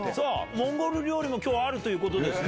モンゴル料理も今日あるということですね。